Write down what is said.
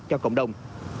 cho cộng đồng